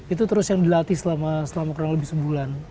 itu terus yang dilatih selama kurang lebih sebulan